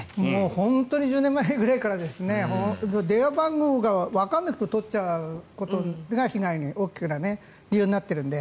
本当に１０年前ぐらいから電話番号がわからなくても取っちゃうことが被害が大きくなる理由になっているので。